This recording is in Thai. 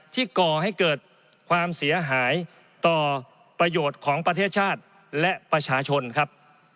ก่อให้เกิดความเสียหายต่อประโยชน์ของประเทศชาติและประชาชนครับ